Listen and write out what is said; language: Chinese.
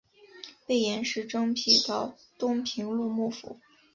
被严实征辟到东平路幕府。